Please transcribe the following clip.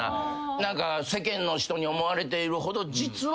何か世間の人に思われているほど実は。